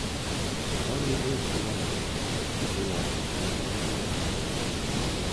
The family moved to London and she grew up in Cricklewood.